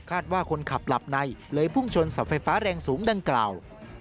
ว่าคนขับหลับในเลยพุ่งชนเสาไฟฟ้าแรงสูงดังกล่าว